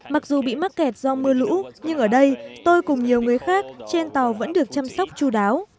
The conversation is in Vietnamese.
mặc dù bị mắc kẹt do mưa lũ nhưng ở đây tôi cùng nhiều người khác trên tàu vẫn được chăm sóc chú đáo